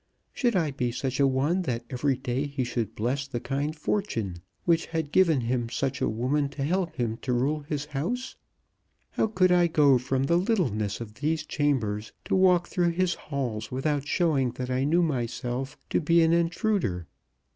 Should I be such a one that every day he should bless the kind fortune which had given him such a woman to help him to rule his house? How could I go from the littleness of these chambers to walk through his halls without showing that I knew myself to be an intruder?